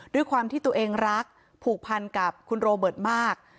ด้วยความที่ตัวเองรักผูกพันกับคุณโรเบิร์ตมาก